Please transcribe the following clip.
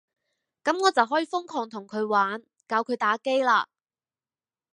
噉我就可以瘋狂同佢玩，教佢打機喇